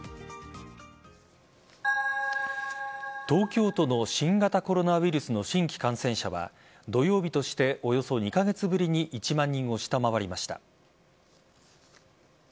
東京都の新型コロナウイルスの新規感染者は土曜日としておよそ２カ月ぶりに１万人を下回りました。